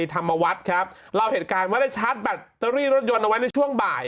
ธรรมวัฒน์ครับเล่าเหตุการณ์ว่าได้ชาร์จแบตเตอรี่รถยนต์เอาไว้ในช่วงบ่าย